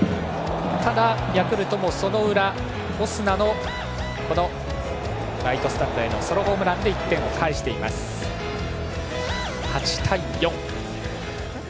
ただ、ヤクルトもその裏オスナのライトスタンドへのソロホームランで１点を返して８対４。